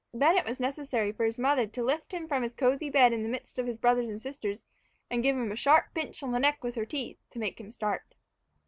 Then it was necessary for his mother to lift him from his cozy bed in the midst of his brothers and sisters and give him a sharp pinch on the neck with her teeth to make him start.